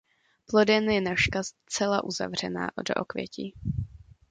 Plodem je nažka zcela uzavřená do okvětí.